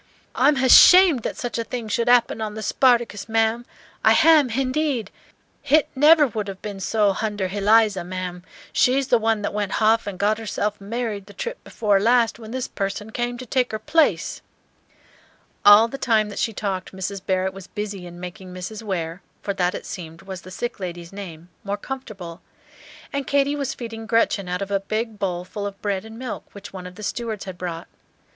I'm h'ashamed that such a thing should 'appen on the 'Spartacus,' ma'am, I h'am, h'indeed. H'it never would 'ave ben so h'under h'Eliza, ma'am, she's the one that went h'off and got herself married the trip before last, when this person came to take her place." All the time that she talked Mrs. Barrett was busy in making Mrs. Ware for that, it seemed, was the sick lady's name more comfortable; and Katy was feeding Gretchen out of a big bowl full of bread and milk which one of the stewards had brought.